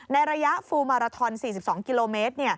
ในระยะฟูมาราทอน๔๒กิโลเมตร